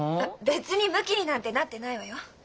別にムキになんてなってないわよ。